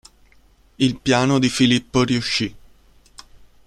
Il piano di Filippo riuscì.